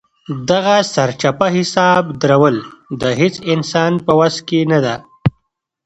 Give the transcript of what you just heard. دغه سرچپه حساب درول د هېڅ انسان په وس کې نه ده.